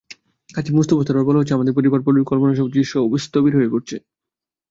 কাজী মোস্তফা সারোয়ার বলা হচ্ছে আমাদের পরিবার পরিকল্পনা কর্মসূচি স্থবির হয়ে পড়েছে।